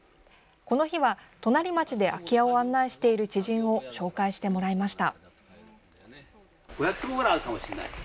この日は隣町で空き家を案内している知人を紹介してもらいました。